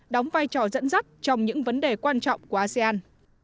đóng vai trò dẫn dắt trong những vấn đề quan trọng của asean